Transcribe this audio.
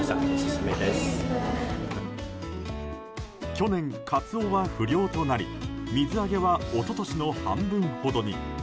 去年、カツオは不漁となり水揚げも一昨年の半分ほどに。